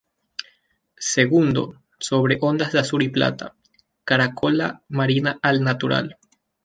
Segundo, sobre ondas de azur y plata, caracola marina al natural.